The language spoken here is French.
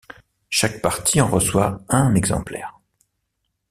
Chaque partie en reçoit un exemplaire.